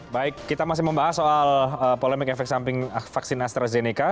baik kita masih membahas soal polemik efek samping vaksin astrazeneca